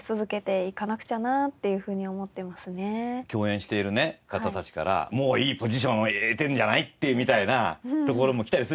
共演しているね方たちから「もういいポジション得てるんじゃない？」っていうみたいなところもきたりするじゃないですか。